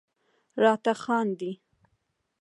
راته خاندي..